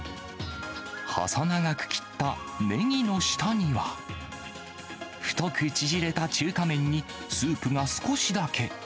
細長く切ったネギの下には、太く縮れた中華麺にスープが少しだけ。